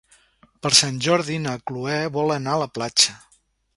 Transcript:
Per Sant Jordi na Cloè vol anar a la platja.